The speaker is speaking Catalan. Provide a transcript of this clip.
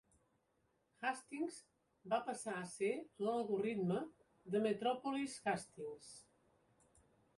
Hastings va passar a ser l"algoritme de Metropolis-Hastings.